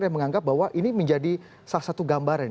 yang menganggap bahwa ini menjadi salah satu gambaran